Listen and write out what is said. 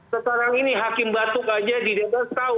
sekarang ini hakim batuk saja di depan